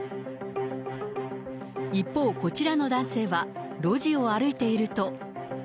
一方、こちらの男性は路地を歩いていると。